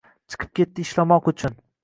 Chiqib ketdi ishlamoq uchun.